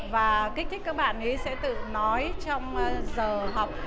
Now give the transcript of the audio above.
và kích thích các bạn ý sẽ tự nói trong giờ học